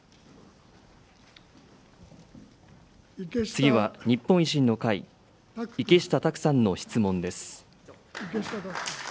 次は日本維新の会、池下卓さんの質問です。